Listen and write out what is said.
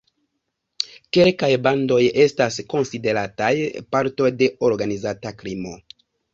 Kelkaj bandoj estas konsiderataj parto de organizita krimo.